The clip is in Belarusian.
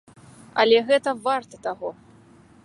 Але гэта варта таго!